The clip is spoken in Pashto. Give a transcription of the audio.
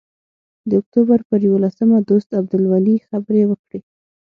د اکتوبر پر یوولسمه دوست عبدالولي خبرې وکړې.